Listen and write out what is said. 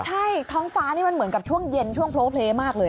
ใช่ท้องฟ้านี่มันเหมือนกับช่วงเย็นช่วงโพลเพลย์มากเลย